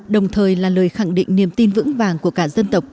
đồng thời là lời khẳng định niềm tin vững vàng của cả dân tộc